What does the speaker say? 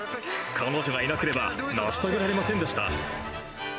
彼女がいなければ、成し遂げられませんでした。